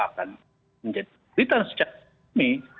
akan menjadi return secara